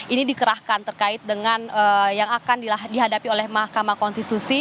ini dikerahkan terkait dengan yang akan dihadapi oleh mahkamah konstitusi